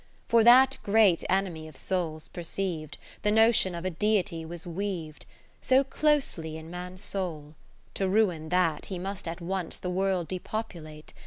For that great Enemy of souls per ceiv'd. The notion of a Deity was weav'd So closely in Man's soul ; to ruin that, He must at once the World depopu late.